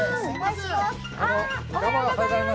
おはようございます。